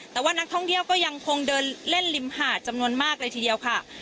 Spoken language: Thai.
แต่ว่านักท่องเที่ยวก็ยังคงเดินเล่นริมหาดจำนวนมากเลยทีเดียวค่ะ